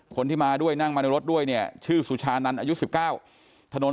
คนที่มาด้วยนั่งมาในรถด้วยเนี่ยชื่อสุชานันอายุ๑๙ถนน